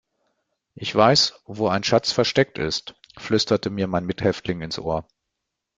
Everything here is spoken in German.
Ich weiß, wo ein Schatz versteckt ist, flüsterte mir mein Mithäftling ins Ohr.